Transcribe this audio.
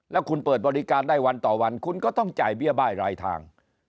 แล้วคุณเปิดบริการได้วันต่อวันคุณก็ต้องจ่ายเบี้ยบ้ายรายทาง